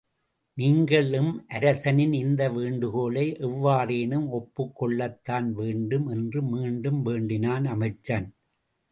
நீங்கள் எம் அரசனின் இந்த வேண்டுகோளை எவ்வாறேனும் ஒப்புக் கொள்ளத்தான் வேண்டும் என்று மீண்டும் வேண்டினான் அமைச்சன்.